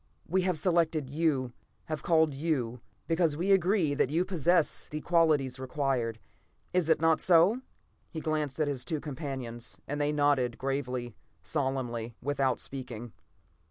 We have selected you, have called you, because we are agreed that you possess the qualities required. Is it not so?" He glanced at his two companions, and they nodded gravely, solemnly, without speaking.